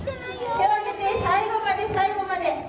手を挙げて最後まで最後まで。